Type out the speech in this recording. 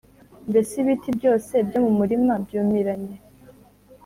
mbese ibiti byose byo mu mirima, byumiranye.